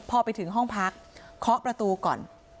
พอไปถึงห้องพักเคาะประตูก่อน